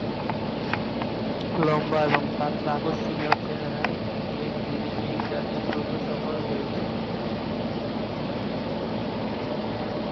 লম্বা এবং পাতলা, আকর্ষণীয় চেহারা নিয়ে তিনি এই কাজে দ্রুত সফল হয়েছিল।